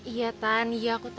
iya tan iya aku tau aku salah